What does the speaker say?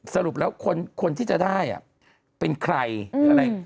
สรุปแล้วคนที่จะได้เป็นใครอะไร